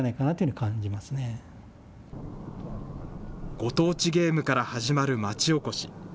ご当地ゲームから始まる町おこし。